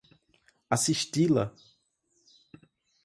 assisti-la